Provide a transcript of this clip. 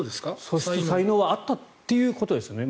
素質、才能はあったということですよね。